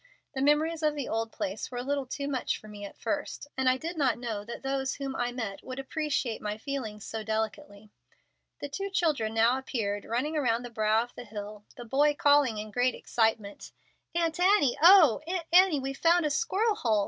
The memories of the old place were a little too much for me at first, and I did not know that those whom I met would appreciate my feelings so delicately." The two children now appeared, running around the brow of the hill, the boy calling in great excitement: "Aunt Annie, oh! Aunt Annie, we've found a squirrel hole.